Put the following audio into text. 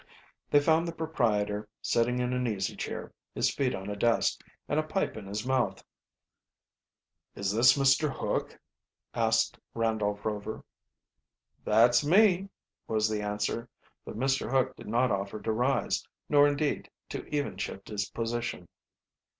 They found the proprietor sitting in an easy chair, his feet on a desk, and a pipe in his mouth. "Is this Mr. Hook?" asked Randolph Rover. "That's me," was the answer; but Mr. Hook did not offer to rise, nor indeed to even shift his position.